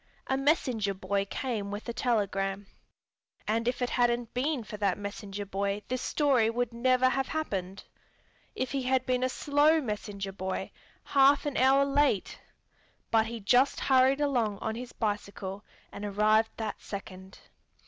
A messenger boy came with a telegram. And if it hadn't been for that messenger boy this story would never have happened. If he had been a slow messenger boy, half an hour late...but he just hurried along on his bicycle and arrived that second.